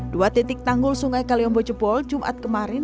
dua titik tanggul sungai kaliombo jebol jumat kemarin